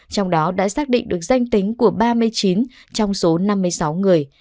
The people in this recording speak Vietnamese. trong đó đã xác định được danh tính của ba mươi chín trong số năm mươi sáu người